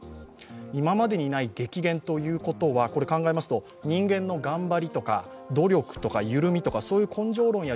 今までにない激減ということは、人間の頑張りとか努力とか緩みとかそういう根性論や